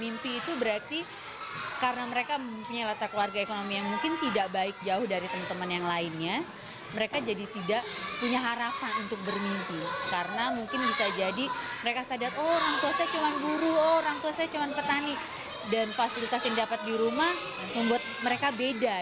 mereka mengajarkan profesi mereka kepada para siswa sd